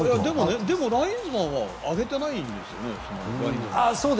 でも、ラインズマンは上げてないんですよね。